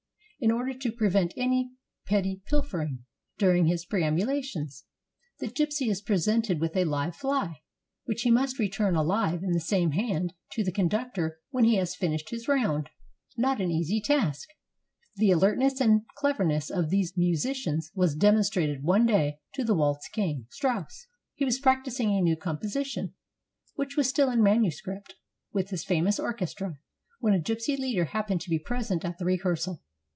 In order to prevent any petty pilfering during his perambulations, the gypsy is presented with a live fly, which he must return alive in the same hand to the conductor when he has finished his round. Not an easy task. The alertness and cleverness of these musicians was demonstrated one day to the waltz king, Strauss. He was practicing a new composition, which was still in manuscript, with his famous orchestra, when a gypsy leader happened to be present at the rehearsal.